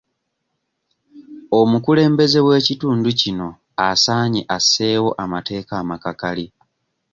Omukulembeze w'ekitundu kino asaanye asseewo amateeka amakakali.